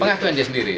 pengakuan dia sendiri